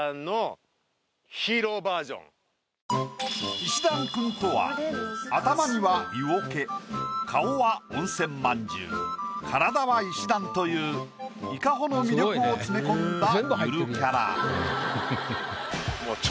いしだんくんとは頭には湯桶顔は温泉まんじゅう体は石段という伊香保の魅力を詰め込んだゆるキャラ。